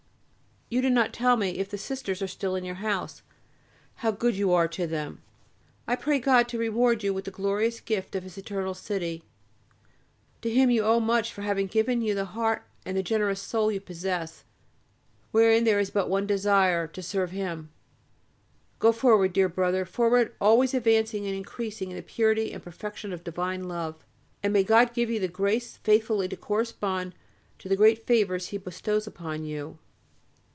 You do not tell me if the Sisters are still in your house. How good you are to them! I pray God to reward you with the glorious gift of His eternal City. To Him you owe much for having given you the heart and the generous soul you possess, wherein there is but the one desire, to serve Him. Go forward, dear brother, forward, always advancing and increasing in the purity and perfection of divine love, and may God give you the grace faithfully to correspond to the great favours He bestows upon you.